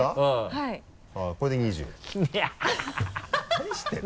何してるの？